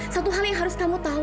satu hal yang harus kamu tahu